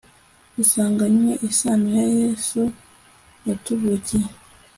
usanganywe isano na yesu watuvukiye